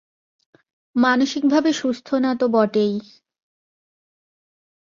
মানসিকভাবে সুস্থ না তো বটেই।